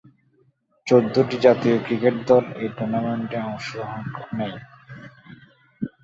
চৌদ্দটি জাতীয় ক্রিকেট দল এই টুর্নামেন্টে অংশ নেয়।